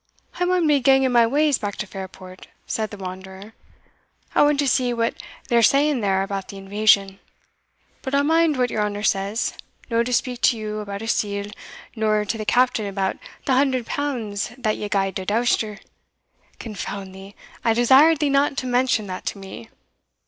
"I maun be ganging my ways back to Fairport," said the wanderer; "I want to see what they're saying there about the invasion; but I'll mind what your honour says, no to speak to you about a sealgh, or to the Captain about the hundred pounds that you gied to Douster" "Confound thee! I desired thee not to mention that to me."